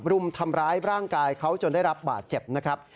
รุมทำร้ายร่างกายเขาจนได้รับบาดเจ็บนะครับ